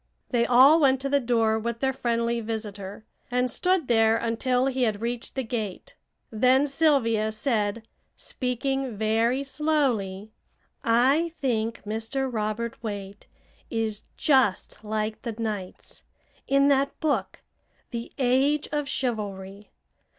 They all went to the door with their friendly visitor, and stood there until he had reached the gate. Then Sylvia said, speaking very slowly: "I think Mr. Robert Waite is just like the Knights in that book, 'The Age of Chivalry.'